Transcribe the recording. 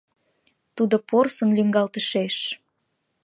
Тудо порсын лӱҥгалтышеш